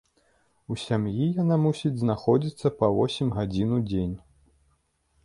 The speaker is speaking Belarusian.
У сям'і яна мусіць знаходзіцца па восем гадзінаў у дзень.